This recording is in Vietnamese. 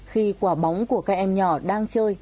khi quả bóng của các em nhỏ đang chơi